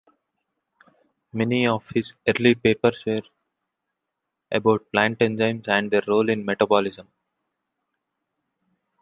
Many of his early papers were about plant enzymes and their role in metabolism.